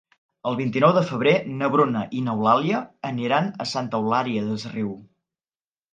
El vint-i-nou de febrer na Bruna i n'Eulàlia aniran a Santa Eulària des Riu.